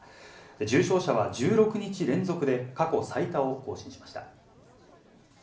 重症者は１６日連続で過去最多を更新しました。